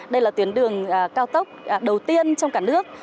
đây là tuyến đường cao tốc đầu tiên trong cả nước